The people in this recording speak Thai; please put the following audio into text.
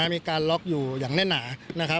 มีการล็อกอยู่อย่างแน่นหนา